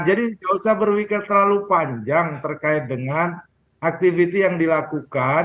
jadi jauh jauh berpikir terlalu panjang terkait dengan aktiviti yang dilakukan